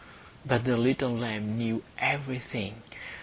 But the little lamb knew everything.